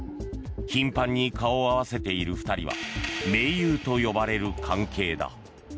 頻繁に顔を合わせている２人は盟友と呼ばれる関係だ。